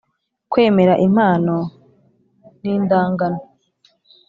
kwemera impano n indangano